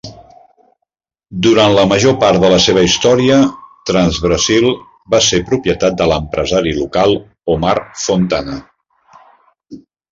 Durant la major part de la seva història, Transbrasil ca ser propietat de l'empresari local Omar Fontana.